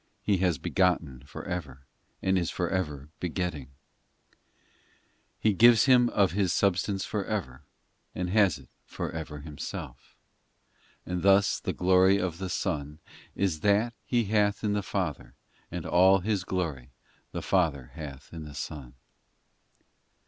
POEMS 277 IV He has begotten for ever, And is for ever begetting ; He gives Him of His substance for ever, And has it for ever Himself. And thus the glory of the Son Is that He hath in the Father, And all His glory the Father Hath in the Son.